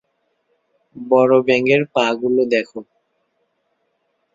বড় ব্যাঙের পা গুলো দেখো।